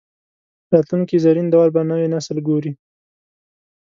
راتلونکي زرین دور به نوی نسل ګوري